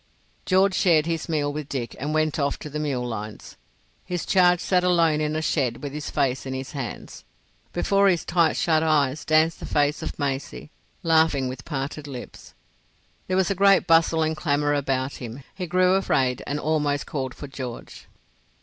George shared his meal with Dick and went off to the mule lines. His charge sat alone in a shed with his face in his hands. Before his tight shut eyes danced the face of Maisie, laughing, with parted lips. There was a great bustle and clamour about him. He grew afraid and almost called for George.